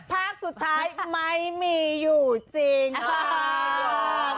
ภาคสุดท้ายไม่มีอยู่จริงค่ะ